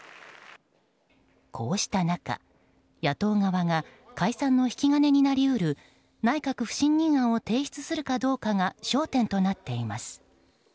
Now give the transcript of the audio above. こうした中、野党側が解散の引き金になり得る内閣不信任案を提出するかどうかが焦点となっています。